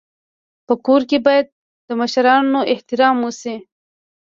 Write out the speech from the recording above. په کور کي باید د مشرانو احترام وسي.